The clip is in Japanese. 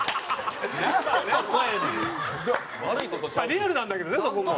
リアルなんだけどねそこも。